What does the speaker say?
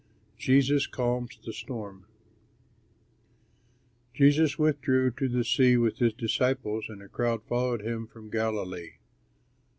JESUS CALMS THE STORM Jesus withdrew to the sea with his disciples, and a crowd followed him from Galilee.